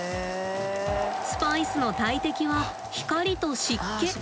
スパイスの大敵は光と湿気。